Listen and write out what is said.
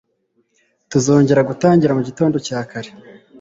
Tuzongera gutangira mugitondo cyakare.